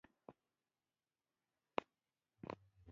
دا جیولوجیکي ډبرې د شیل یا د موسی د ډبرو په نامه یادیږي.